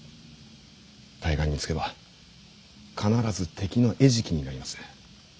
対岸に着けば必ず敵の餌食になります。